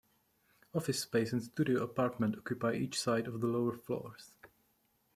Office space and studio apartment occupy each side of the lower floors.